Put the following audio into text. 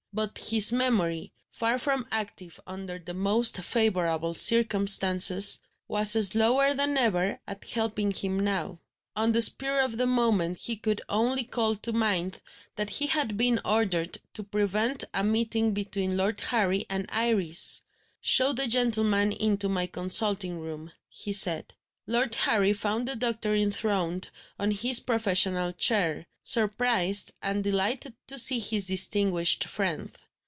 But his memory (far from active under the most favourable circumstances) was slower than ever at helping him now. On the spur of the moment he could only call to mind that he had been ordered to prevent a meeting between Lord Harry and Iris. "Show the gentleman into my consulting room," he said. Lord Harry found the doctor enthroned on his professional chair, surprised and delighted to see his distinguished friend.